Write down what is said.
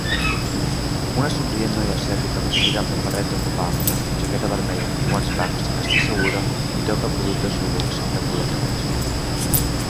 Una somrient noia asiàtica vestida amb un barret de copa ampla, jaqueta vermella i guants blancs està asseguda i toca productes rodons de color taronja